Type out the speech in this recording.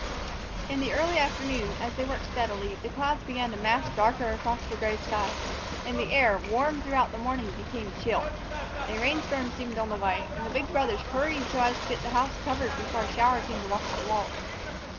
In the early afternoon, as they worked steadily, the clouds began to mass darker across the gray sky; and the air, warm throughout the morning, became chill. A rain storm seemed on the way, and the big brothers hurried so as to get the house covered before a shower came to wash the walls.